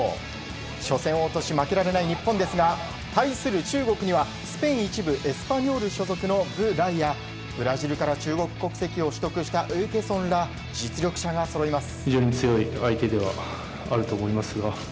初戦を落とし負けられない日本ですが、対する中国にはスペイン１部エスパニョール所属のウー・レイやブラジルから中国国籍を取得したエウケソンら実力者がそろいます。